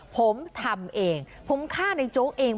ผมทำเองผมฆ่าในโจ๊กเอง